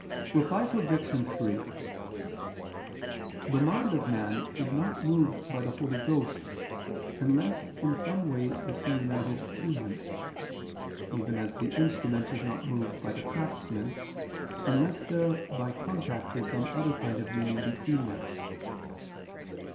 Reply Obj. 3: The mind of man is not moved by the Holy Ghost, unless in some way it be united to Him: even as the instrument is not moved by the craftsman, unless there by contact or some other kind of union between them.